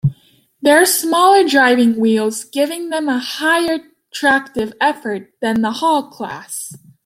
Their smaller driving wheels giving them a higher tractive effort than the Hall Class.